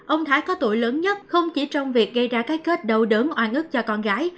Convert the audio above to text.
ông thái có tuổi lớn nhất không chỉ trong việc gây ra cái kết đầu đớn oan ức cho con gái